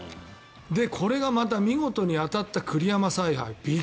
これがまた見事に当たった栗山采配。